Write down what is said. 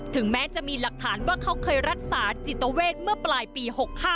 แม้จะมีหลักฐานว่าเขาเคยรักษาจิตเวทเมื่อปลายปี๖๕